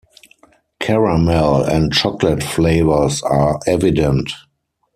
Caramel and chocolate flavours are evident.